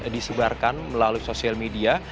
disebarkan melalui sosial media